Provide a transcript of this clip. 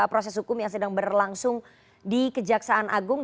proses hukum yang sedang berlangsung di kejaksaan agung